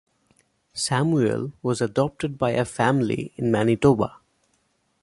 Samuel was adopted by a family in Manitoba.